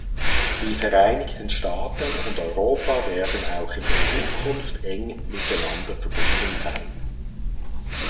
Die Vereinigten Staaten und Europa werden auch in der Zukunft eng miteinander verbunden sein.